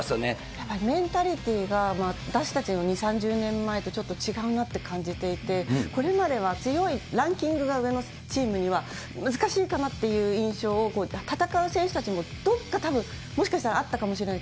やっぱりメンタリティーが私たちの２、３０年前とちょっと違うなって感じていて、これまでは強い、ランキングが上のチームには、難しいかなっていう印象を、戦う選手たちも、どこかたぶん、あったかもしれない。